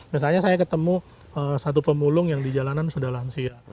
misalnya saya ketemu satu pemulung yang di jalanan sudah lansia